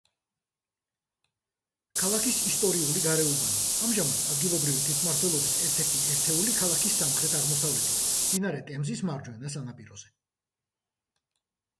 ქალაქის ისტორიული გარეუბანი, ამჟამად ადგილობრივი თვითმმართველობის ერთ-ერთი ერთეული ქალაქის სამხრეთ-აღმოსავლეთით, მდინარე ტემზის მარჯვენა სანაპიროზე.